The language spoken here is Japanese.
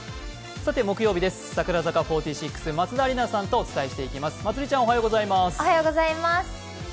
木曜日です、櫻坂４６、松田里奈さんとお送りしていきます。